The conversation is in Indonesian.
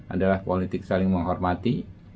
adalah politik saling menghormati